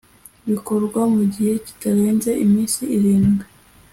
bikorwwa mu gihe kitarenze iminsi irindwi